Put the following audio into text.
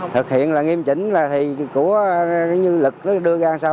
thực hiện nghiêm chỉnh của lực đưa ra sau